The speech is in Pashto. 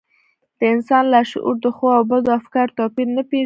د انسان لاشعور د ښو او بدو افکارو توپير نه پېژني.